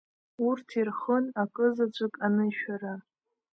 Урҭ ирхын акызаҵәык анышәара.